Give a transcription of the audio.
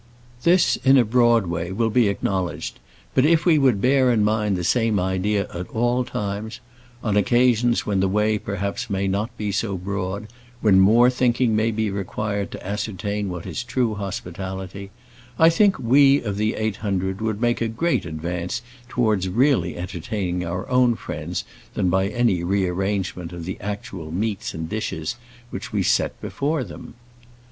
This, in a broad way, will be acknowledged; but if we would bear in mind the same idea at all times, on occasions when the way perhaps may not be so broad, when more thinking may be required to ascertain what is true hospitality, I think we of the eight hundred would make a greater advance towards really entertaining our own friends than by any rearrangement of the actual meats and dishes which we set before them.